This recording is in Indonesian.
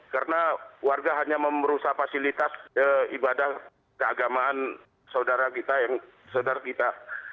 karena warga hanya memerusak fasilitas ibadah keagamaan saudara kita yang saudara kita